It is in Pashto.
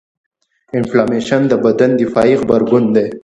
د انفلامیشن د بدن دفاعي غبرګون دی.